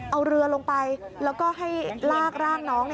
เอาเรือลงไปแล้วก็ให้ลากร่างน้อง